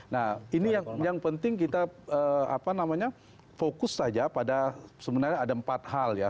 nah ini yang penting kita fokus saja pada sebenarnya ada empat hal ya